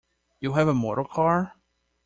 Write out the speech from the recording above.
You have a motor-car?